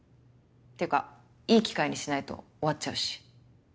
っていうかいい機会にしないと終わっちゃうし。